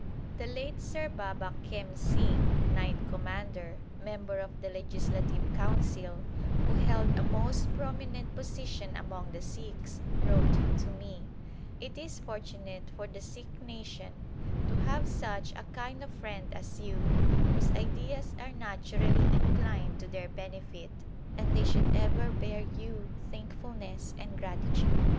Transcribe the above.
The late Sir Baba Khem Singh, K.C.I. E., Member of the Legislative Council, who held a most pro minent position among the Sikhs, wrote to me : It is fortunate for the Sikh nation to have such a kind of friend as you, whose ideas are naturally inclined to their benefit, and they should ever bear you thankfulness and gratitude.